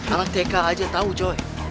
anak tk aja tau coy